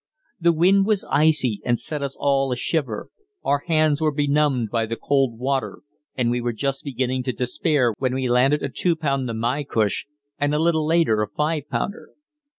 The wind was icy and set us all a shiver, our hands were benumbed by the cold water, and we were just beginning to despair when we landed a two pound namaycush, and a little later a five pounder.